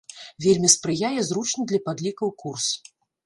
Вельмі спрыяе зручны для падлікаў курс.